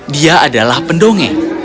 dia adalah pendongeng